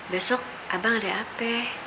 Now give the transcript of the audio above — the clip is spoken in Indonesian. besok abang ada ap